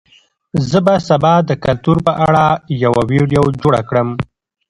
زه به سبا د کلتور په اړه یوه ویډیو جوړه کړم.